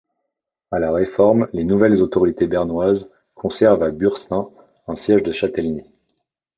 À la Réforme, les nouvelles autorités bernoises conservent à Bursins un siège de châtellenie.